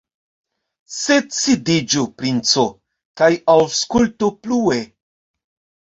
Sed sidiĝu, princo, kaj aŭskultu plue!